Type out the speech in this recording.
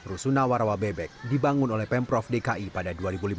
rusunawarawa bebek dibangun oleh pemprov dki pada dua ribu lima belas